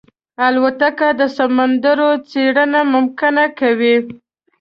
الوتکه د سمندرونو څېړنه ممکنه کوي.